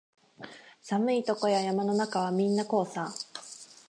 寒いとこや山の中はみんなこうさ